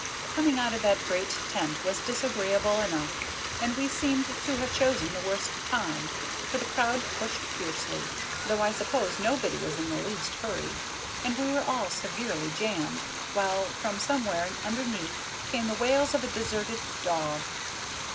Coming out of the great tent was disagreeable enough, and we seemed to have chosen the worst time, for the crowd pushed fiercely, though I suppose nobody was in the least hurry, and we were all severely jammed, while from somewhere underneath came the wails of a deserted dog.